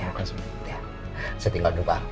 ya bukan sementara ya saya tinggal dulu pak al